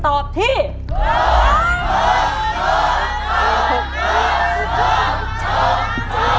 สวัสดีครับ